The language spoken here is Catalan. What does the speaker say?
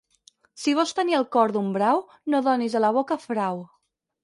Si vols tenir el cor d'un brau, no donis a la boca frau.